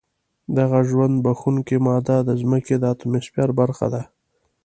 دغه ژوند بښونکې ماده د ځمکې د اتموسفیر برخه ده.